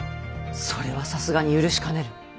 それはさすがに許しかねる。